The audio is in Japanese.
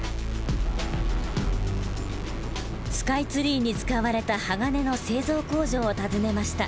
スカイツリーに使われた鋼の製造工場を訪ねました。